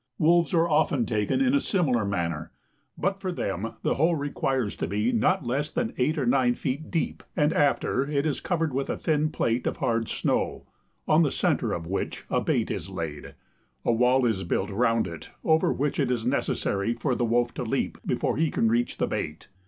Wolves are often taken in a similar manner; but for them the hole requires to be not less than eight or nine feet deep, and after it is covered with a thin plate of hard snow (on the centre of which a bait is laid), a wall is built round it, over which it is necessary for the wolf to leap, before he can reach the bait.